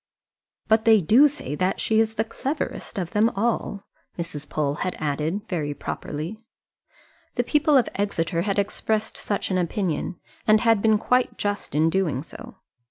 "But they do say that she is the cleverest of them all," Mrs. Pole had added, very properly. The people of Exeter had expressed such an opinion, and had been quite just in doing so.